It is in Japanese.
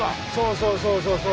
そうそうそうそう！